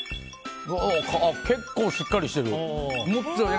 結構しっかりしてる。